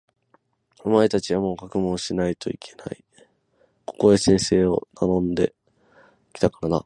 お前たちはもう学問をしないといけない。ここへ先生をたのんで来たからな。